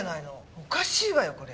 おかしいわよこれ。